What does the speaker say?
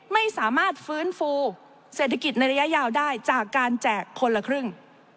ไม่สามารถฟื้นฟูเศรษฐกิจในระยะยาวได้จากการแจกคนละครึ่ง